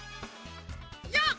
よっ！